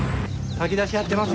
炊き出しやってます。